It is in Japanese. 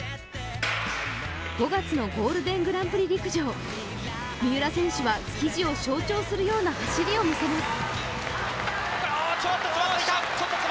５月のゴールデングランプリ陸上、三浦選手は記事を象徴するような走りを見せます。